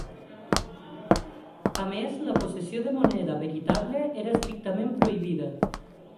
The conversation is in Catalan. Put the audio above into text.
A més, la possessió de moneda veritable era estrictament prohibida.